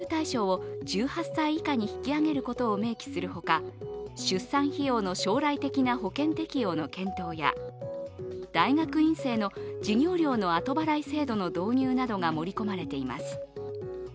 児童手当については所得制限の撤廃や支給対象を１８歳以下に引き上げることを明記するほか出産費用の将来的な保険適用の検討や大学院生の授業料の後払い制度の導入などが盛り込まれています。